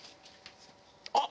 あっ！